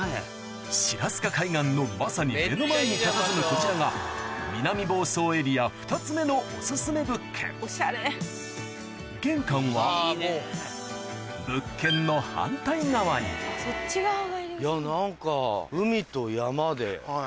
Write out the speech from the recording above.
白渚海岸のまさに目の前にたたずむこちらが南房総エリア２つ目の玄関は物件の反対側にいや何か海と山で。